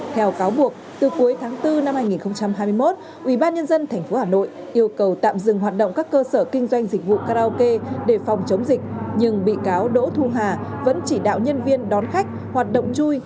theo cáo buộc từ cuối tháng bốn năm hai nghìn hai mươi một ubnd tp hà nội yêu cầu tạm dừng hoạt động các cơ sở kinh doanh dịch vụ karaoke để phòng chống dịch nhưng bị cáo đỗ thu hà vẫn chỉ đạo nhân viên đón khách hoạt động chui